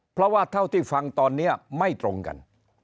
เพราะว่าเท่าที่ฟังตอนนี้ไม่ตรงกัน